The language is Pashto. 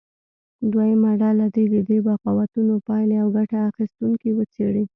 دویمه ډله دې د دې بغاوتونو پایلې او ګټه اخیستونکي وڅېړي.